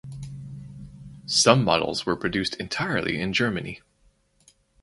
Some models were produced entirely in Germany.